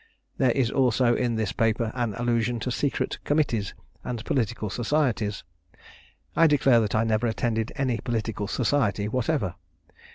There is also in this paper an allusion to secret committees and political societies. I declare that I never attended any political society whatever.